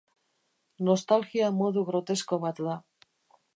Nostalgia modu grotesko bat da.